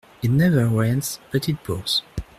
It never rains but it pours.